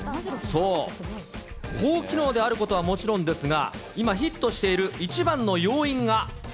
高機能であることはもちろんですが、今ヒットしている一番の要因